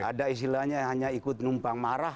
ada istilahnya hanya ikut numpang marah